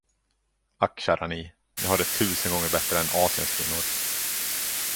Ack kära ni, ni har det tusen gånger bättre än Asiens kvinnor!